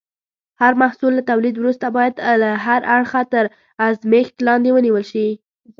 هر محصول له تولید وروسته باید له هر اړخه تر ازمېښت لاندې ونیول شي.